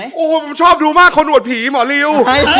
ผมชอบดูมากข้อนวดผีหมอริว